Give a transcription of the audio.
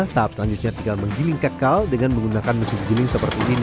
tahap selanjutnya tinggal menggiling kekal dengan menggunakan mesin giling seperti ini